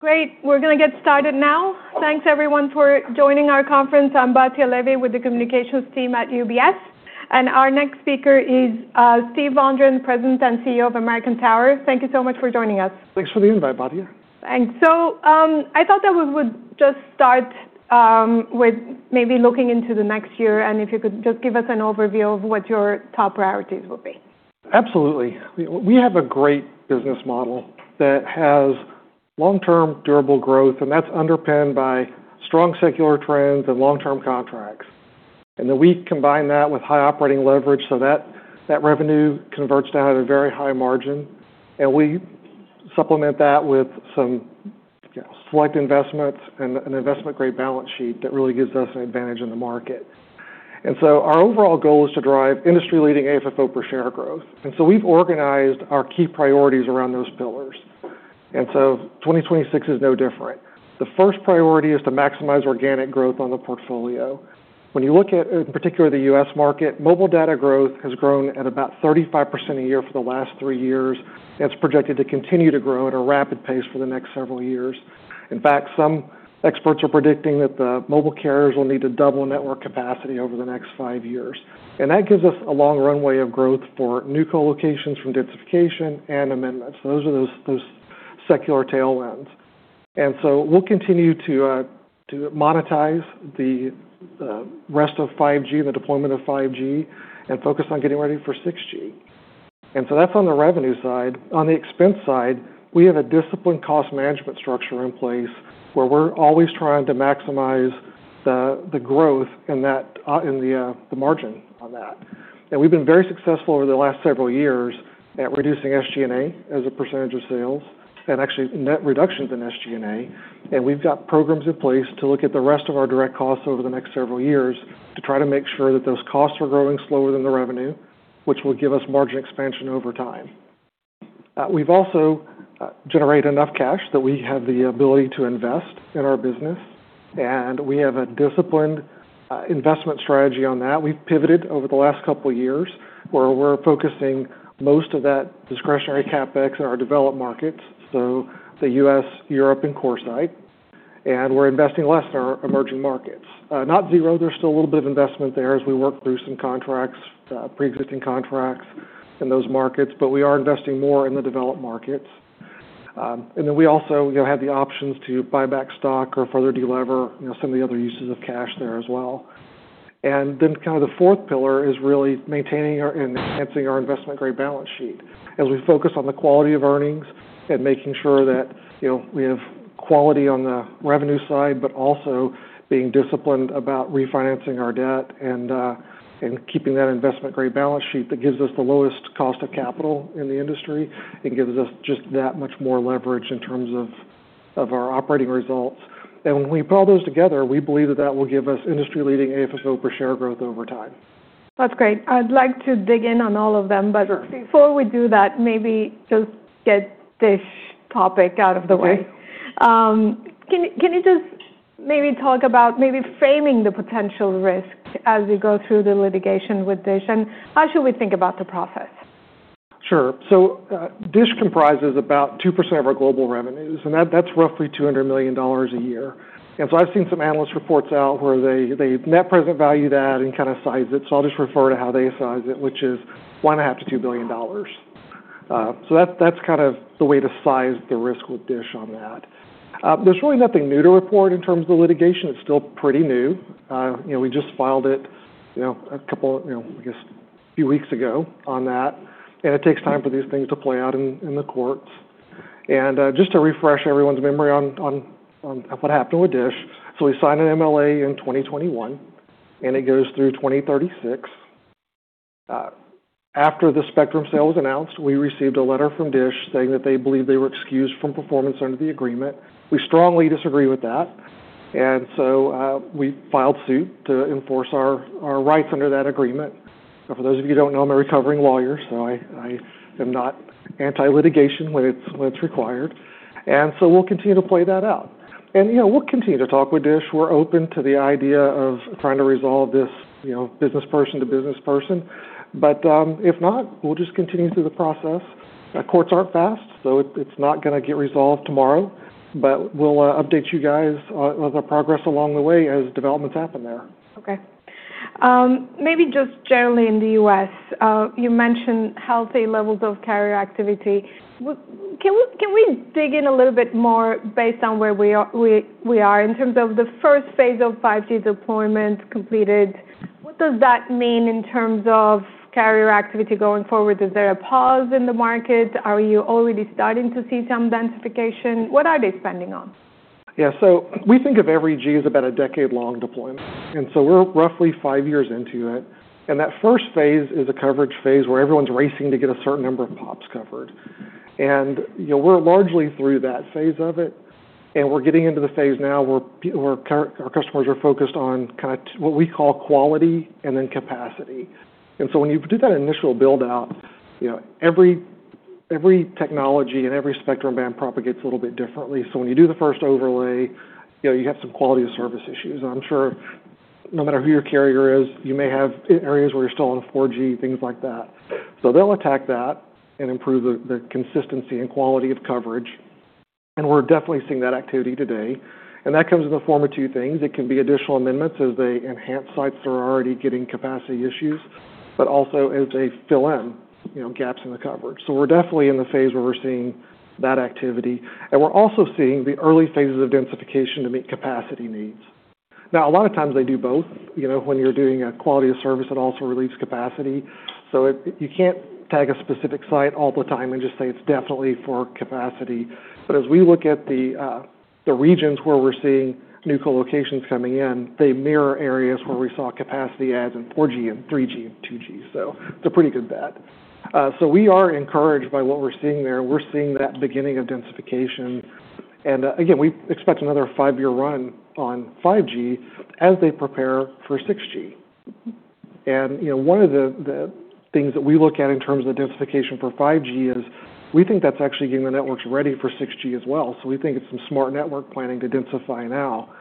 Great. We're going to get started now. Thanks, everyone, for joining our conference. I'm Batya Levy with the communications team at UBS, and our next speaker is Steve Vondran, President and CEO of American Tower. Thank you so much for joining us. Thanks for the invite, Batya. Thanks. So I thought that we would just start with maybe looking into the next year, and if you could just give us an overview of what your top priorities will be. Absolutely. We have a great business model that has long-term durable growth, and that's underpinned by strong secular trends and long-term contracts. And then we combine that with high operating leverage so that revenue converts down at a very high margin, and we supplement that with some select investments and an investment-grade balance sheet that really gives us an advantage in the market. And so our overall goal is to drive industry-leading AFFO per share growth. And so we've organized our key priorities around those pillars. And so 2026 is no different. The first priority is to maximize organic growth on the portfolio. When you look at, in particular, the U.S. market, mobile data growth has grown at about 35% a year for the last three years, and it's projected to continue to grow at a rapid pace for the next several years. In fact, some experts are predicting that the mobile carriers will need to double network capacity over the next five years, and that gives us a long runway of growth for new colocations from densification and amendments. Those are secular tailwinds, and so we'll continue to monetize the rest of 5G and the deployment of 5G and focus on getting ready for 6G, and so that's on the revenue side. On the expense side, we have a disciplined cost management structure in place where we're always trying to maximize the growth and the margin on that, and we've been very successful over the last several years at reducing SG&A as a percentage of sales and actually net reductions in SG&A. And we've got programs in place to look at the rest of our direct costs over the next several years to try to make sure that those costs are growing slower than the revenue, which will give us margin expansion over time. We've also generated enough cash that we have the ability to invest in our business, and we have a disciplined investment strategy on that. We've pivoted over the last couple of years where we're focusing most of that discretionary CapEx in our developed markets, so the U.S., Europe, and CoreSite. And we're investing less in our emerging markets. Not zero. There's still a little bit of investment there as we work through some contracts, pre-existing contracts in those markets, but we are investing more in the developed markets. And then we also have the options to buy back stock or further deliver some of the other uses of cash there as well. And then kind of the fourth pillar is really maintaining and enhancing our investment-grade balance sheet as we focus on the quality of earnings and making sure that we have quality on the revenue side, but also being disciplined about refinancing our debt and keeping that investment-grade balance sheet that gives us the lowest cost of capital in the industry and gives us just that much more leverage in terms of our operating results. And when we put all those together, we believe that that will give us industry-leading AFFO per share growth over time. That's great. I'd like to dig in on all of them, but before we do that, maybe just get this topic out of the way. Can you just maybe talk about maybe framing the potential risk as you go through the litigation with DISH, and how should we think about the process? Sure. DISH comprises about 2% of our global revenues, and that's roughly $200 million a year. I've seen some analyst reports out where they net present value that and kind of size it. I'll just refer to how they size it, which is $1.5 billion-$2 billion. That's kind of the way to size the risk with DISH on that. There's really nothing new to report in terms of the litigation. It's still pretty new. We just filed it a couple, I guess, a few weeks ago on that, and it takes time for these things to play out in the courts. Just to refresh everyone's memory on what happened with DISH, we signed an MLA in 2021, and it goes through 2036. After the spectrum sale was announced, we received a letter from DISH saying that they believe they were excused from performance under the agreement. We strongly disagree with that, and so we filed suit to enforce our rights under that agreement. For those of you who don't know, I'm a recovering lawyer, so I am not anti-litigation when it's required. And so we'll continue to play that out. And we'll continue to talk with DISH. We're open to the idea of trying to resolve this business person to business person, but if not, we'll just continue through the process. Courts aren't fast, so it's not going to get resolved tomorrow, but we'll update you guys of the progress along the way as developments happen there. Okay. Maybe just generally in the U.S., you mentioned healthy levels of carrier activity. Can we dig in a little bit more based on where we are in terms of the first phase of 5G deployment completed? What does that mean in terms of carrier activity going forward? Is there a pause in the market? Are you already starting to see some densification? What are they spending on? Yeah. So we think of every G as about a decade-long deployment, and so we're roughly five years into it. And that first phase is a coverage phase where everyone's racing to get a certain number of POPs covered. And we're largely through that phase of it, and we're getting into the phase now where our customers are focused on kind of what we call quality and then capacity. And so when you do that initial build-out, every technology and every spectrum band propagates a little bit differently. So when you do the first overlay, you have some quality of service issues. I'm sure no matter who your carrier is, you may have areas where you're still on 4G, things like that. So they'll attack that and improve the consistency and quality of coverage. And we're definitely seeing that activity today. And that comes in the form of two things. It can be additional amendments as they enhance sites that are already getting capacity issues, but also as they fill in gaps in the coverage. So we're definitely in the phase where we're seeing that activity. And we're also seeing the early phases of densification to meet capacity needs. Now, a lot of times they do both. When you're doing a quality of service, it also relieves capacity. So you can't tag a specific site all the time and just say it's definitely for capacity. But as we look at the regions where we're seeing new colocations coming in, they mirror areas where we saw capacity adds in 4G and 3G and 2G. So it's a pretty good bet. So we are encouraged by what we're seeing there. We're seeing that beginning of densification. And again, we expect another five-year run on 5G as they prepare for 6G. One of the things that we look at in terms of the densification for 5G is we think that's actually getting the networks ready for 6G as well. So we think it's some smart network planning to densify now.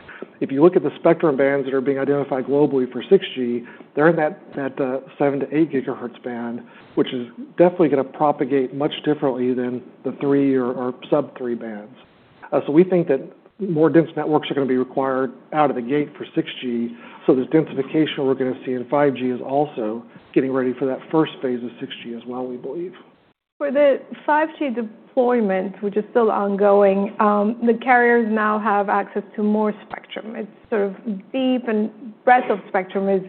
If you look at the spectrum bands that are being identified globally for 6G, they're in that 7 GHz -8 GHz band, which is definitely going to propagate much differently than the 3 or sub-3 bands. So we think that more dense networks are going to be required out of the gate for 6G. So this densification we're going to see in 5G is also getting ready for that first phase of 6G as well, we believe. For the 5G deployment, which is still ongoing, the carriers now have access to more spectrum. It's sort of depth and breadth of spectrum is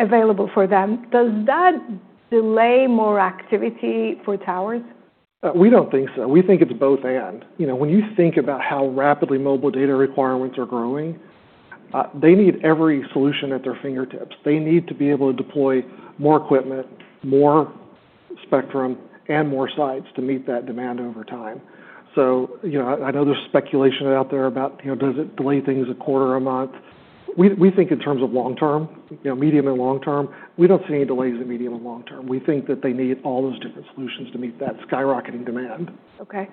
available for them. Does that delay more activity for towers? We don't think so. We think it's both, and when you think about how rapidly mobile data requirements are growing, they need every solution at their fingertips. They need to be able to deploy more equipment, more spectrum, and more sites to meet that demand over time, so I know there's speculation out there about, does it delay things a quarter or a month? We think in terms of long-term, medium and long-term, we don't see any delays in medium and long-term. We think that they need all those different solutions to meet that skyrocketing demand. Okay.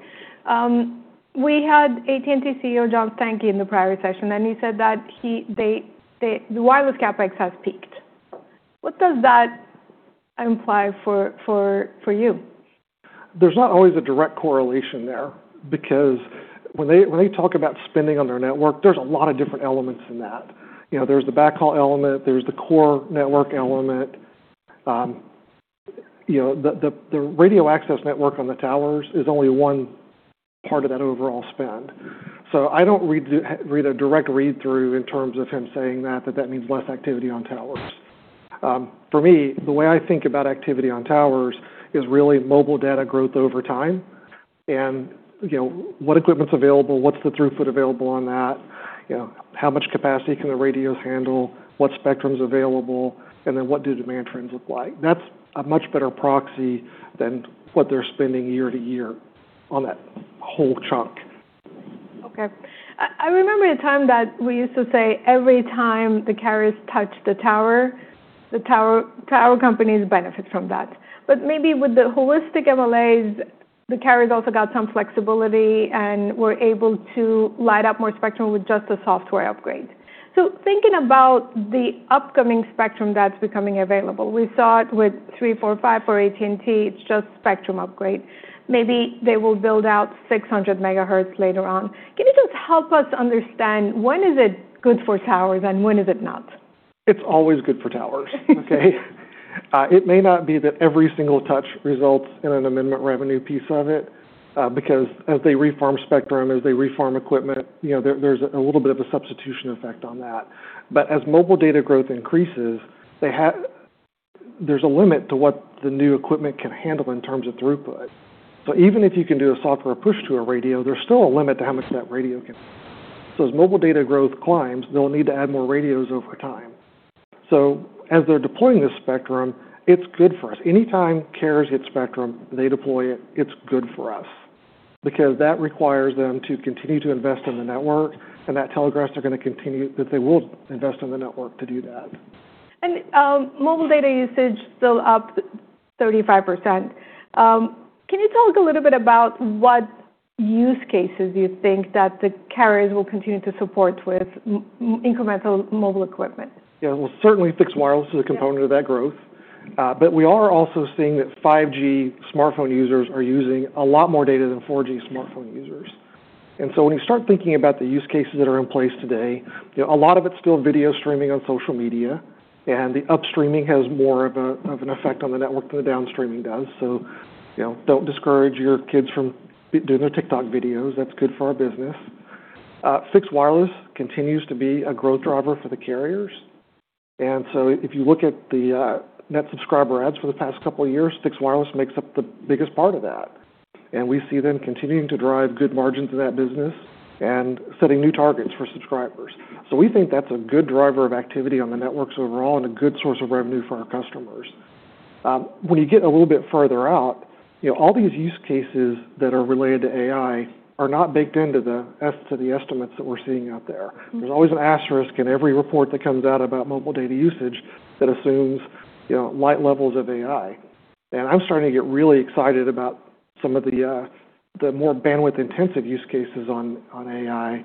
We had AT&T CEO John Stankey in the prior session, and he said that the wireless CapEx has peaked. What does that imply for you? There's not always a direct correlation there because when they talk about spending on their network, there's a lot of different elements in that. There's the backhaul element. There's the core network element. The radio access network on the towers is only one part of that overall spend. So I don't read a direct read-through in terms of him saying that that means less activity on towers. For me, the way I think about activity on towers is really mobile data growth over time and what equipment's available, what's the throughput available on that, how much capacity can the radios handle, what spectrum's available, and then what do demand trends look like. That's a much better proxy than what they're spending year to year on that whole chunk. Okay. I remember a time that we used to say every time the carriers touch the tower, the tower companies benefit from that. But maybe with the holistic MLAs, the carriers also got some flexibility and were able to light up more spectrum with just a software upgrade. So thinking about the upcoming spectrum that's becoming available, we saw it with 3, 4, 5 for AT&T. It's just spectrum upgrade. Maybe they will build out 600 MHz later on. Can you just help us understand when is it good for towers and when is it not? It's always good for towers. Okay? It may not be that every single touch results in an amendment revenue piece of it because as they reform spectrum, as they reform equipment, there's a little bit of a substitution effect on that. But as mobile data growth increases, there's a limit to what the new equipment can handle in terms of throughput. So even if you can do a software push to a radio, there's still a limit to how much that radio can. So as mobile data growth climbs, they'll need to add more radios over time. So as they're deploying this spectrum, it's good for us. Anytime carriers get spectrum, they deploy it. It's good for us because that requires them to continue to invest in the network, and that telegraphs are going to continue that they will invest in the network to do that. Mobile data usage still up 35%. Can you talk a little bit about what use cases you think that the carriers will continue to support with incremental mobile equipment? Yeah. We'll certainly fixed wireless as a component of that growth, but we are also seeing that 5G smartphone users are using a lot more data than 4G smartphone users. And so when you start thinking about the use cases that are in place today, a lot of it's still video streaming on social media, and the uploading has more of an effect on the network than the downloading does. So don't discourage your kids from doing their TikTok videos. That's good for our business. Fixed wireless continues to be a growth driver for the carriers. And so if you look at the net subscriber adds for the past couple of years, fixed wireless makes up the biggest part of that. And we see them continuing to drive good margins in that business and setting new targets for subscribers. We think that's a good driver of activity on the networks overall and a good source of revenue for our customers. When you get a little bit further out, all these use cases that are related to AI are not baked into the estimates that we're seeing out there. There's always an asterisk in every report that comes out about mobile data usage that assumes light levels of AI. I'm starting to get really excited about some of the more bandwidth-intensive use cases on AI.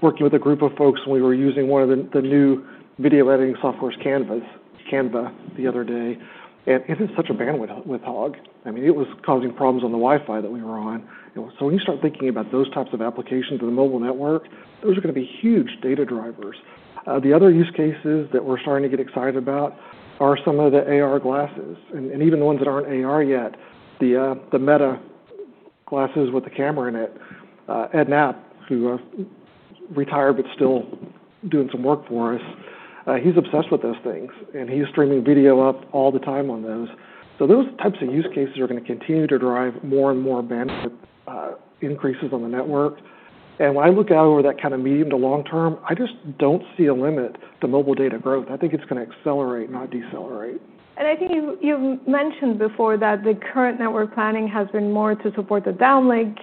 Working with a group of folks, we were using one of the new video editing softwares, Canva, the other day. It is such a bandwidth hog. I mean, it was causing problems on the Wi-Fi that we were on. When you start thinking about those types of applications in the mobile network, those are going to be huge data drivers. The other use cases that we're starting to get excited about are some of the AR glasses and even the ones that aren't AR yet, the Meta glasses with the camera in it. Ed Knapp, who retired but is still doing some work for us, he's obsessed with those things, and he's streaming video up all the time on those, so those types of use cases are going to continue to drive more and more bandwidth increases on the network, and when I look out over that kind of medium to long term, I just don't see a limit to mobile data growth. I think it's going to accelerate, not decelerate. I think you've mentioned before that the current network planning has been more to support the downlink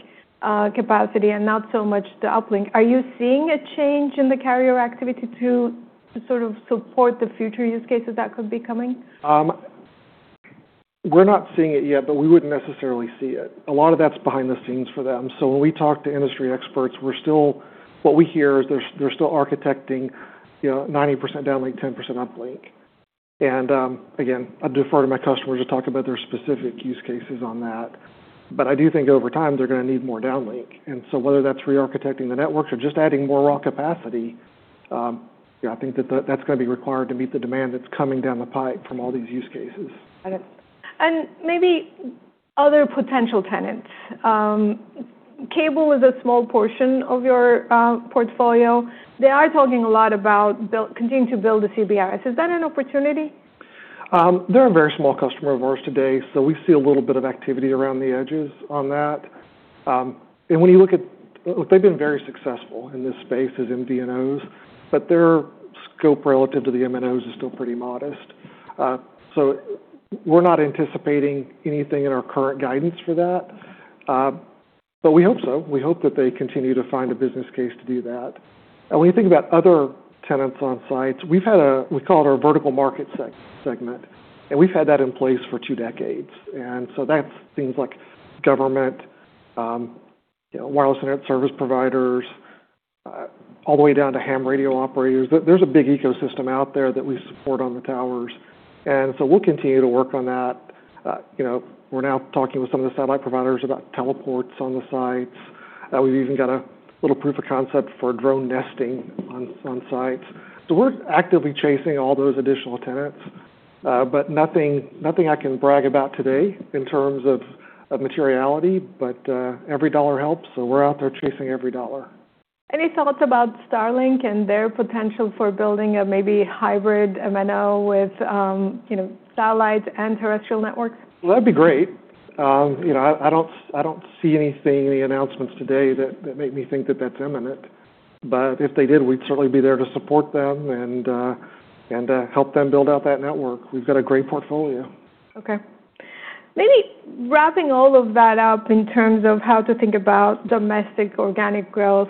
capacity and not so much the uplink. Are you seeing a change in the carrier activity to sort of support the future use cases that could be coming? We're not seeing it yet, but we wouldn't necessarily see it. A lot of that's behind the scenes for them. So when we talk to industry experts, what we hear is they're still architecting 90% downlink, 10% uplink. And again, I defer to my customers to talk about their specific use cases on that. But I do think over time they're going to need more downlink. And so whether that's re-architecting the networks or just adding more raw capacity, I think that that's going to be required to meet the demand that's coming down the pipe from all these use cases. And maybe other potential tenants. Cable is a small portion of your portfolio. They are talking a lot about continuing to build the CBRS. Is that an opportunity? They're a very small customer of ours today, so we see a little bit of activity around the edges on that, and when you look at what they've been very successful in this space is MVNOs, but their scope relative to the MNOs is still pretty modest, so we're not anticipating anything in our current guidance for that, but we hope so. We hope that they continue to find a business case to do that. And when you think about other tenants on sites, we've had what we call our vertical market segment, and we've had that in place for two decades. And so that's things like government, wireless internet service providers, all the way down to ham radio operators. There's a big ecosystem out there that we support on the towers, and so we'll continue to work on that. We're now talking with some of the satellite providers about teleports on the sites. We've even got a little proof of concept for drone nesting on sites. So we're actively chasing all those additional tenants, but nothing I can brag about today in terms of materiality, but every dollar helps. So we're out there chasing every dollar. Any thoughts about Starlink and their potential for building a maybe hybrid MNO with satellites and terrestrial networks? That'd be great. I don't see anything, any announcements today that make me think that that's imminent. But if they did, we'd certainly be there to support them and help them build out that network. We've got a great portfolio. Okay. Maybe wrapping all of that up in terms of how to think about domestic organic growth.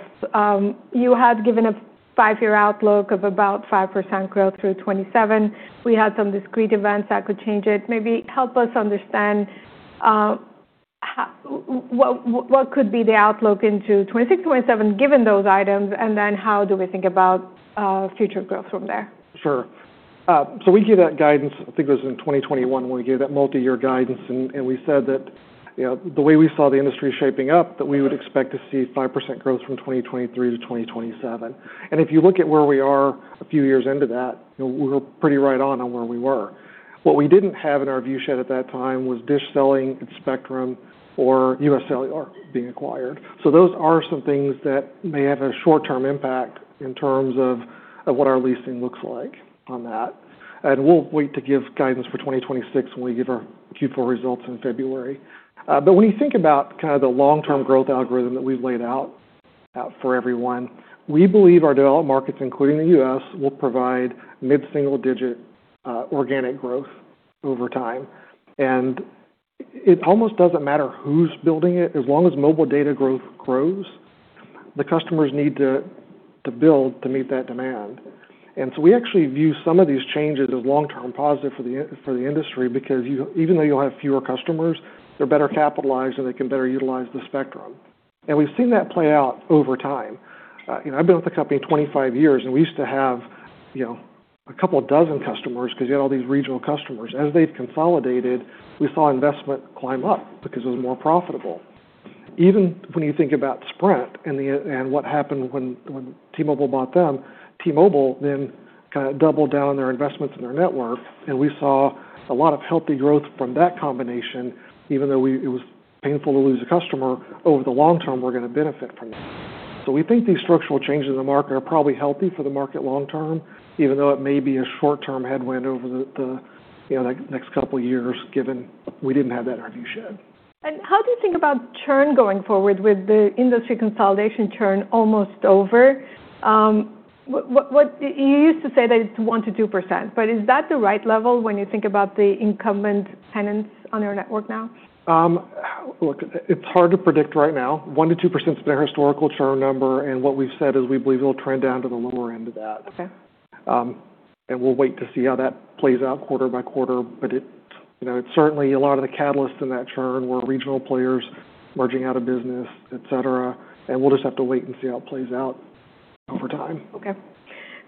You had given a five-year outlook of about 5% growth through 2027. We had some discrete events that could change it. Maybe help us understand what could be the outlook into 2026, 2027, given those items, and then how do we think about future growth from there? Sure. So we gave that guidance, I think it was in 2021 when we gave that multi-year guidance, and we said that the way we saw the industry shaping up, that we would expect to see 5% growth from 2023 to 2027. And if you look at where we are a few years into that, we were pretty right on where we were. What we didn't have in our view at that time was DISH selling its spectrum or UScellular being acquired. So those are some things that may have a short-term impact in terms of what our leasing looks like on that. And we'll wait to give guidance for 2026 when we give our Q4 results in February. But when you think about kind of the long-term growth algorithm that we've laid out for everyone, we believe our developed markets, including the U.S., will provide mid-single-digit organic growth over time. And it almost doesn't matter who's building it. As long as mobile data growth grows, the customers need to build to meet that demand. And so we actually view some of these changes as long-term positive for the industry because even though you'll have fewer customers, they're better capitalized and they can better utilize the spectrum. And we've seen that play out over time. I've been with the company 25 years, and we used to have a couple of dozen customers because you had all these regional customers. As they've consolidated, we saw investment climb up because it was more profitable. Even when you think about Sprint and what happened when T-Mobile bought them, T-Mobile then kind of doubled down on their investments in their network, and we saw a lot of healthy growth from that combination. Even though it was painful to lose a customer, over the long term, we're going to benefit from that. So we think these structural changes in the market are probably healthy for the market long term, even though it may be a short-term headwind over the next couple of years, given we didn't have that in our viewshed. How do you think about churn going forward with the industry consolidation churn almost over? You used to say that it's 1%-2%, but is that the right level when you think about the incumbent tenants on their network now? Look, it's hard to predict right now. 1%-2% has been our historical churn number, and what we've said is we believe it'll trend down to the lower end of that, and we'll wait to see how that plays out quarter by quarter, but it's certainly a lot of the catalysts in that churn were regional players merging out of business, etc., and we'll just have to wait and see how it plays out over time. Okay.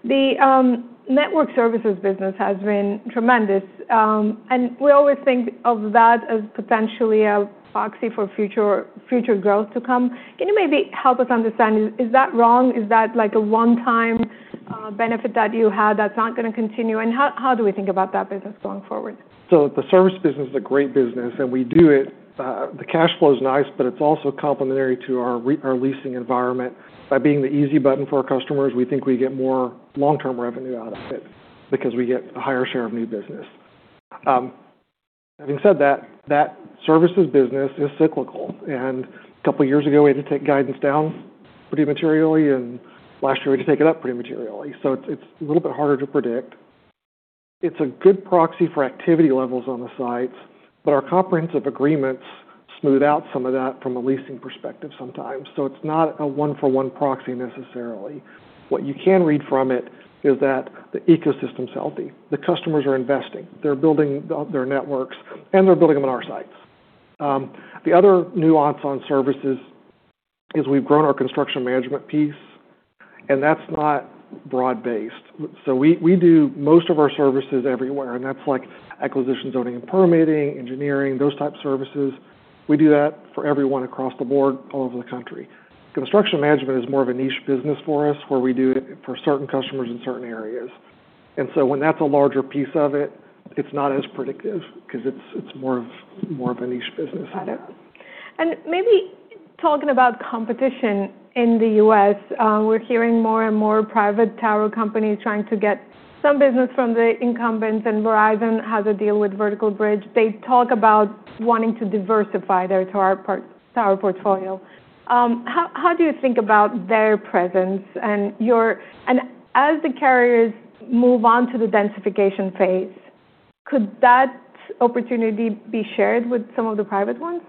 The network services business has been tremendous, and we always think of that as potentially a proxy for future growth to come. Can you maybe help us understand, is that wrong? Is that like a one-time benefit that you had that's not going to continue? And how do we think about that business going forward? So the service business is a great business, and we do it. The cash flow is nice, but it's also complementary to our leasing environment. By being the easy button for our customers, we think we get more long-term revenue out of it because we get a higher share of new business. Having said that, that services business is cyclical. And a couple of years ago, we had to take guidance down pretty materially, and last year, we had to take it up pretty materially. So it's a little bit harder to predict. It's a good proxy for activity levels on the sites, but our comprehensive agreements smooth out some of that from a leasing perspective sometimes. So it's not a one-for-one proxy necessarily. What you can read from it is that the ecosystem is healthy. The customers are investing. They're building their networks, and they're building them on our sites. The other nuance on services is we've grown our construction management piece, and that's not broad-based. So we do most of our services everywhere, and that's like acquisition, zoning, and permitting, engineering, those types of services. We do that for everyone across the board all over the country. Construction management is more of a niche business for us where we do it for certain customers in certain areas. And so when that's a larger piece of it, it's not as predictive because it's more of a niche business. Got it, and maybe talking about competition in the U.S., we're hearing more and more private tower companies trying to get some business from the incumbents, and Verizon has a deal with Vertical Bridge. They talk about wanting to diversify their tower portfolio. How do you think about their presence, and as the carriers move on to the densification phase, could that opportunity be shared with some of the private ones?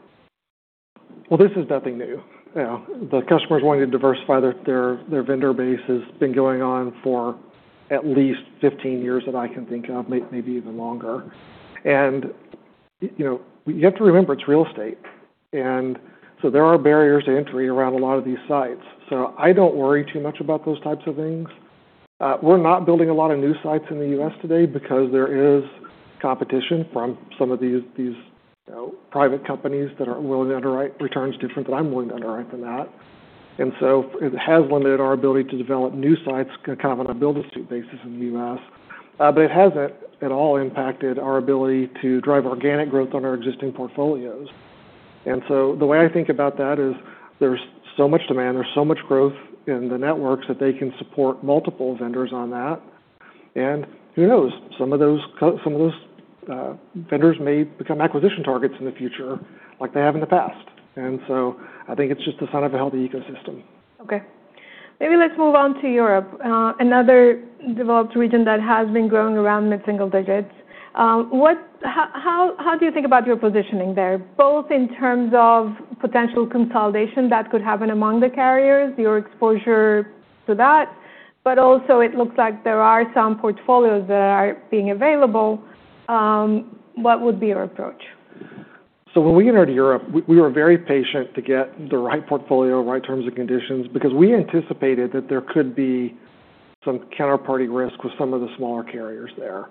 This is nothing new. The customers wanting to diversify their vendor base has been going on for at least 15 years that I can think of, maybe even longer. You have to remember it's real estate. There are barriers to entry around a lot of these sites. I don't worry too much about those types of things. We're not building a lot of new sites in the U.S. today because there is competition from some of these private companies that are willing to underwrite returns different than I'm willing to underwrite than that. It has limited our ability to develop new sites kind of on a build-to-suit basis in the U.S., but it hasn't at all impacted our ability to drive organic growth on our existing portfolios. And so the way I think about that is there's so much demand, there's so much growth in the networks that they can support multiple vendors on that. And who knows, some of those vendors may become acquisition targets in the future like they have in the past. And so I think it's just a sign of a healthy ecosystem. Okay. Maybe let's move on to Europe, another developed region that has been growing around mid-single digits. How do you think about your positioning there, both in terms of potential consolidation that could happen among the carriers, your exposure to that, but also it looks like there are some portfolios that are being available. What would be your approach? So when we entered Europe, we were very patient to get the right portfolio, right terms and conditions because we anticipated that there could be some counterparty risk with some of the smaller carriers there.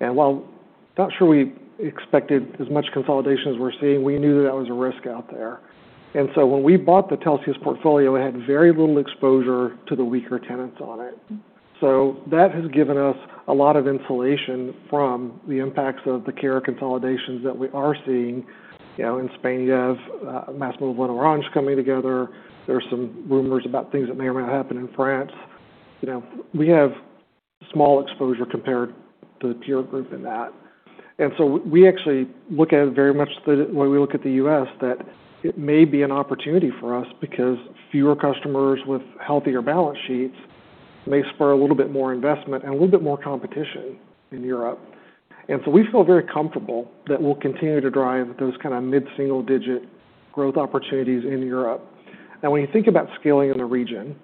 And while I'm not sure we expected as much consolidation as we're seeing, we knew that that was a risk out there. And so when we bought the Telxius portfolio, we had very little exposure to the weaker tenants on it. So that has given us a lot of insulation from the impacts of the carrier consolidations that we are seeing. In Spain, you have MásMóvil and Orange coming together. There are some rumors about things that may or may not happen in France. We have small exposure compared to the peer group in that. And so we actually look at it very much the way we look at the U.S., that it may be an opportunity for us because fewer customers with healthier balance sheets may spur a little bit more investment and a little bit more competition in Europe. And so we feel very comfortable that we'll continue to drive those kind of mid-single digit growth opportunities in Europe. Now, when you think about scaling in the region,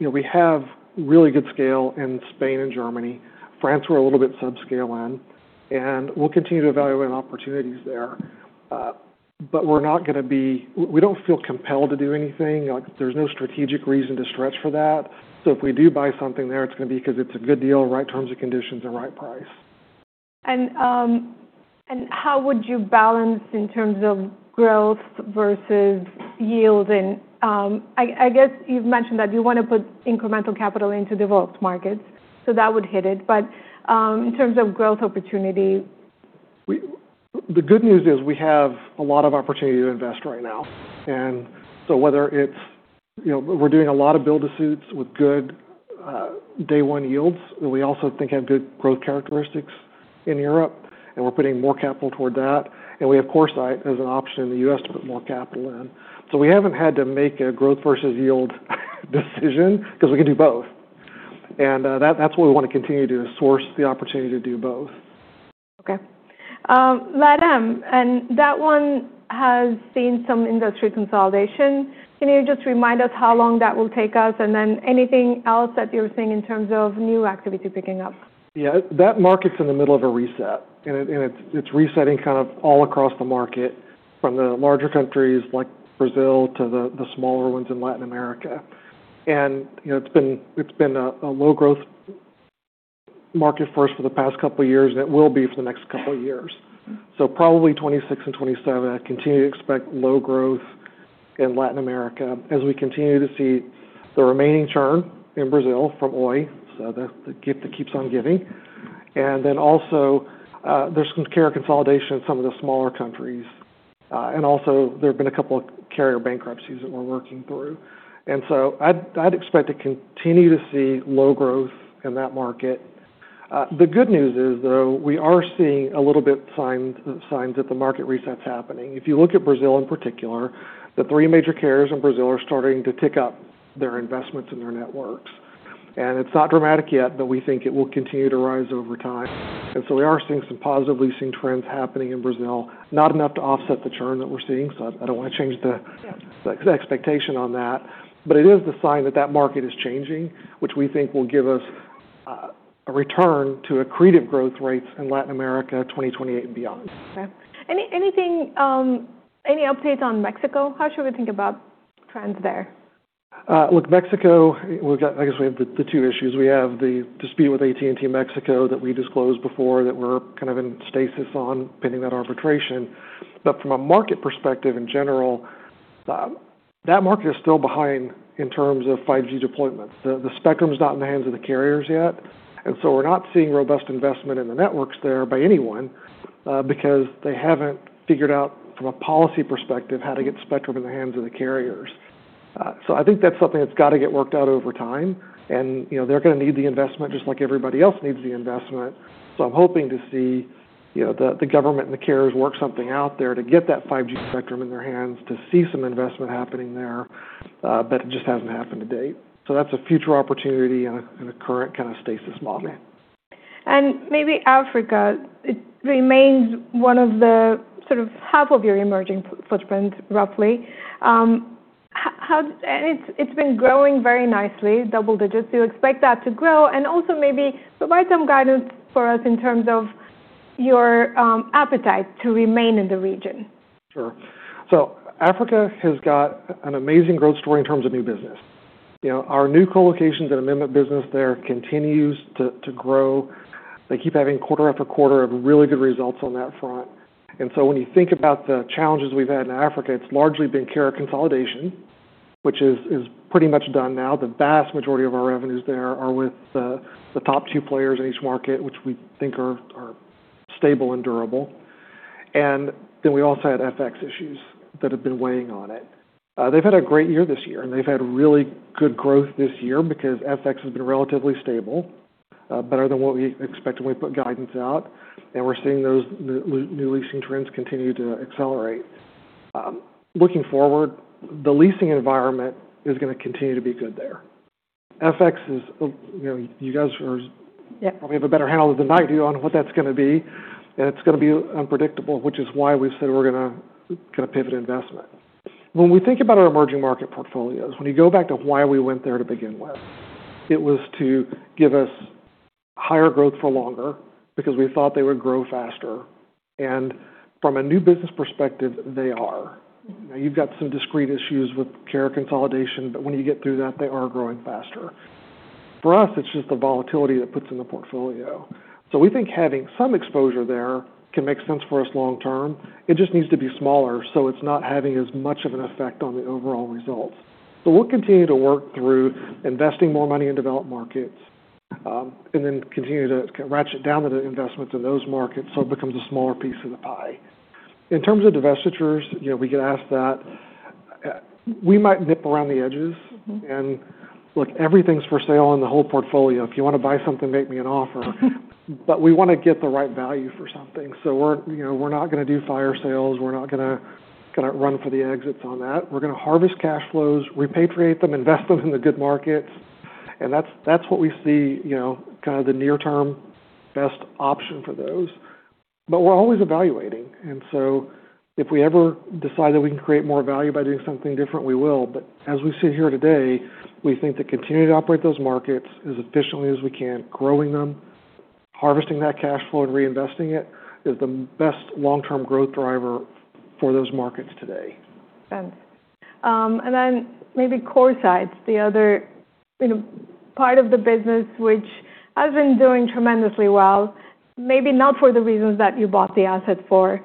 we have really good scale in Spain and Germany. France we're a little bit subscale in, and we'll continue to evaluate opportunities there. But we don't feel compelled to do anything. There's no strategic reason to stretch for that. So if we do buy something there, it's going to be because it's a good deal, right terms and conditions, and right price. And how would you balance in terms of growth versus yield? And I guess you've mentioned that you want to put incremental capital into developed markets, so that would hit it. But in terms of growth opportunity? The good news is we have a lot of opportunity to invest right now, and so whether it's we're doing a lot of build-to-suits with good day-one yields, and we also think have good growth characteristics in Europe, and we're putting more capital toward that. And we have CoreSite as an option in the U.S. to put more capital in. So we haven't had to make a growth versus yield decision because we can do both. And that's what we want to continue to do, is source the opportunity to do both. Okay, Madam, and that one has seen some industry consolidation. Can you just remind us how long that will take us? And then anything else that you're seeing in terms of new activity picking up? Yeah. That market's in the middle of a reset, and it's resetting kind of all across the market from the larger countries like Brazil to the smaller ones in Latin America. And it's been a low-growth market first for the past couple of years, and it will be for the next couple of years. So probably 2026 and 2027, I continue to expect low growth in Latin America as we continue to see the remaining churn in Brazil from Oi, so the gift that keeps on giving. And then also there's some carrier consolidation in some of the smaller countries. And also there have been a couple of carrier bankruptcies that we're working through. And so I'd expect to continue to see low growth in that market. The good news is, though, we are seeing a little bit of signs that the market reset's happening. If you look at Brazil in particular, the three major carriers in Brazil are starting to tick up their investments in their networks, and it's not dramatic yet, but we think it will continue to rise over time, and so we are seeing some positive leasing trends happening in Brazil, not enough to offset the churn that we're seeing, so I don't want to change the expectation on that, but it is the sign that that market is changing, which we think will give us a return to accretive growth rates in Latin America 2028 and beyond. Okay. Any updates on Mexico? How should we think about trends there? Look, Mexico. I guess we have the two issues. We have the dispute with AT&T Mexico that we disclosed before that we're kind of in stasis on pending that arbitration. But from a market perspective in general, that market is still behind in terms of 5G deployment. The spectrum's not in the hands of the carriers yet. And so we're not seeing robust investment in the networks there by anyone because they haven't figured out, from a policy perspective, how to get spectrum in the hands of the carriers. So I think that's something that's got to get worked out over time. And they're going to need the investment just like everybody else needs the investment. So I'm hoping to see the government and the carriers work something out there to get that 5G spectrum in their hands, to see some investment happening there, but it just hasn't happened to date. So that's a future opportunity in a current kind of stasis model. Maybe Africa, it remains one of the sort of half of your emerging footprint, roughly. It's been growing very nicely, double digits. Do you expect that to grow? Also maybe provide some guidance for us in terms of your appetite to remain in the region? Sure. So Africa has got an amazing growth story in terms of new business. Our new colocations and amendment business there continues to grow. They keep having quarter after quarter of really good results on that front. And so when you think about the challenges we've had in Africa, it's largely been carrier consolidation, which is pretty much done now. The vast majority of our revenues there are with the top two players in each market, which we think are stable and durable. And then we also had FX issues that have been weighing on it. They've had a great year this year, and they've had really good growth this year because FX has been relatively stable, better than what we expected when we put guidance out. And we're seeing those new leasing trends continue to accelerate. Looking forward, the leasing environment is going to continue to be good there. FX, you guys probably have a better handle than I do on what that's going to be. And it's going to be unpredictable, which is why we've said we're going to pivot investment. When we think about our emerging market portfolios, when you go back to why we went there to begin with, it was to give us higher growth for longer because we thought they would grow faster. And from a new business perspective, they are. Now, you've got some discrete issues with carrier consolidation, but when you get through that, they are growing faster. For us, it's just the volatility that puts in the portfolio. So we think having some exposure there can make sense for us long-term. It just needs to be smaller so it's not having as much of an effect on the overall results. So we'll continue to work through investing more money in developed markets and then continue to ratchet down the investments in those markets so it becomes a smaller piece of the pie. In terms of divestitures, we get asked that. We might nip around the edges. And look, everything's for sale in the whole portfolio. If you want to buy something, make me an offer. But we want to get the right value for something. So we're not going to do fire sales. We're not going to run for the exits on that. We're going to harvest cash flows, repatriate them, invest them in the good markets. And that's what we see kind of the near-term best option for those. But we're always evaluating. And so if we ever decide that we can create more value by doing something different, we will. But as we sit here today, we think that continuing to operate those markets as efficiently as we can, growing them, harvesting that cash flow and reinvesting it is the best long-term growth driver for those markets today. And then maybe CoreSite, the other part of the business which has been doing tremendously well, maybe not for the reasons that you bought the asset for.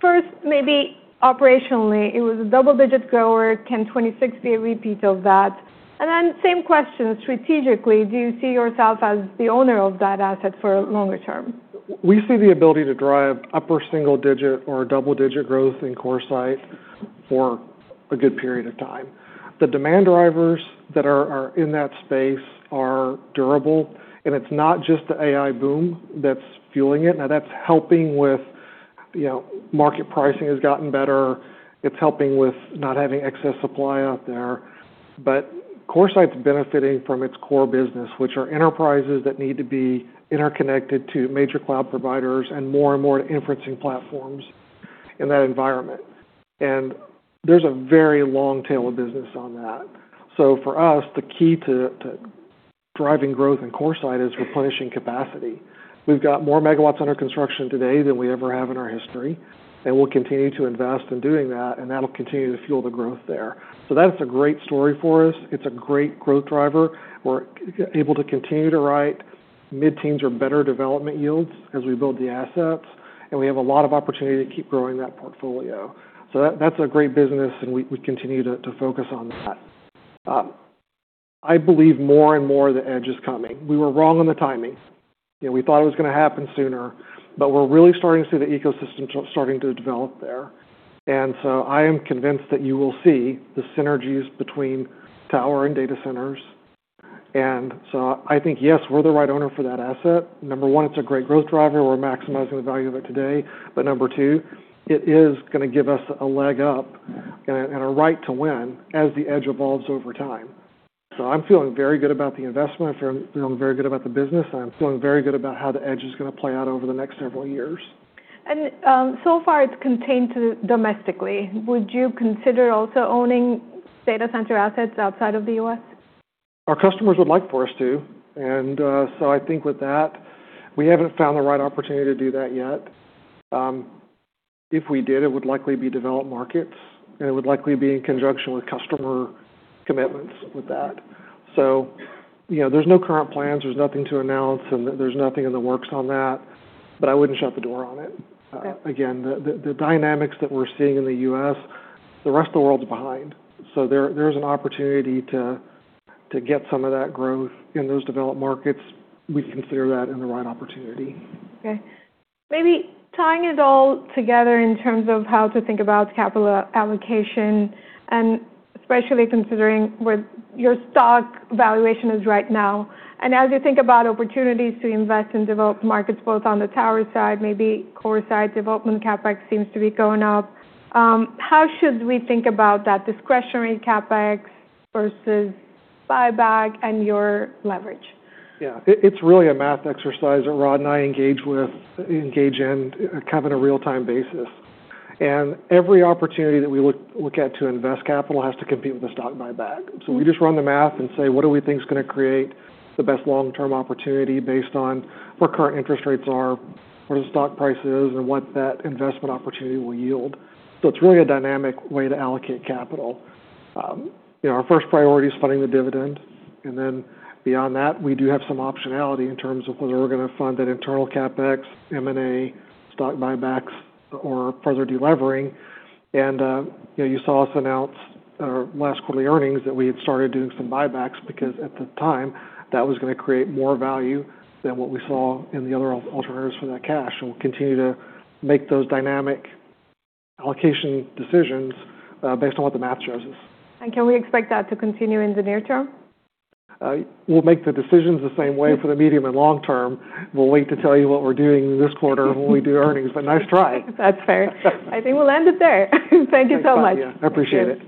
First, maybe operationally, it was a double-digit grower. Can 2026 be a repeat of that? And then same question strategically, do you see yourself as the owner of that asset for a longer term? We see the ability to drive upper single-digit or double-digit growth in CoreSite for a good period of time. The demand drivers that are in that space are durable, and it's not just the AI boom that's fueling it. Now, that's helping with market pricing having gotten better. It's helping with not having excess supply out there, but CoreSite's benefiting from its core business, which are enterprises that need to be interconnected to major cloud providers and more and more inferencing platforms in that environment, and there's a very long tail of business on that, so for us, the key to driving growth in CoreSite is replenishing capacity. We've got more megawatts under construction today than we ever have in our history, and we'll continue to invest in doing that, and that'll continue to fuel the growth there, so that's a great story for us. It's a great growth driver. We're able to continue to write mid-teens or better development yields as we build the assets, and we have a lot of opportunity to keep growing that portfolio, so that's a great business, and we continue to focus on that. I believe more and more the edge is coming. We were wrong on the timing. We thought it was going to happen sooner, but we're really starting to see the ecosystem starting to develop there, and so I am convinced that you will see the synergies between tower and data centers, and so I think, yes, we're the right owner for that asset. Number one, it's a great growth driver. We're maximizing the value of it today, but number two, it is going to give us a leg up and a right to win as the edge evolves over time, so I'm feeling very good about the investment. I'm feeling very good about the business. I'm feeling very good about how the edge is going to play out over the next several years. So far, it's contained to domestically. Would you consider also owning data center assets outside of the U.S.? Our customers would like for us to, and so I think with that, we haven't found the right opportunity to do that yet. If we did, it would likely be developed markets, and it would likely be in conjunction with customer commitments with that so there's no current plans. There's nothing to announce, and there's nothing in the works on that but I wouldn't shut the door on it. Again, the dynamics that we're seeing in the U.S., the rest of the world's behind so there's an opportunity to get some of that growth in those developed markets. We consider that in the right opportunity. Okay. Maybe tying it all together in terms of how to think about capital allocation, and especially considering what your stock valuation is right now, and as you think about opportunities to invest in developed markets, both on the tower side, maybe CoreSite development, CapEx seems to be going up. How should we think about that discretionary CapEx versus buyback and your leverage? Yeah. It's really a math exercise that Rod and I engage in kind of on a real-time basis, and every opportunity that we look at to invest capital has to compete with the stock buyback, so we just run the math and say, "What do we think is going to create the best long-term opportunity based on where current interest rates are, where the stock price is, and what that investment opportunity will yield?" so it's really a dynamic way to allocate capital. Our first priority is funding the dividend, and then beyond that, we do have some optionality in terms of whether we're going to fund that internal CapEx, M&A, stock buybacks, or further delevering. And you saw us announce last quarterly earnings that we had started doing some buybacks because at the time, that was going to create more value than what we saw in the other alternatives for that cash. And we'll continue to make those dynamic allocation decisions based on what the math shows us. Can we expect that to continue in the near term? We'll make the decisions the same way for the medium and long term. We'll wait to tell you what we're doing this quarter when we do earnings. But nice try. That's fair. I think we'll end it there. Thank you so much. I appreciate it.